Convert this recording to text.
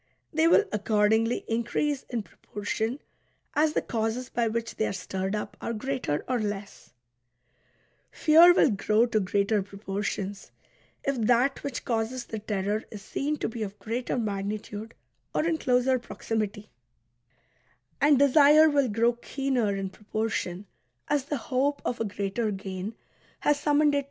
They will accordingly increase in proportion as the causes by which they are stirred up are greater or less. Fear will grow to greater proportions, if that which causes the terror is seen to be of greater magnitude or in closer proximity ; and desire will grow keener 291 THE EPISTLES OF SENECA 12 illam amplioris rei spes evocaverit.